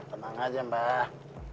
tenang aja mbah